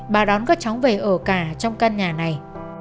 bà đón các cháu về ở cả trong căn nhà này